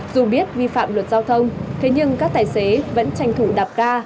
dù biết vi phạm luật giao thông thế nhưng các tài xế vẫn tranh thủ đạp ga